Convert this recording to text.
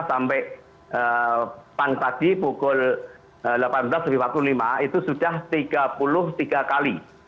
sampai pagi pukul delapan belas lebih empat puluh lima itu sudah tiga puluh tiga kali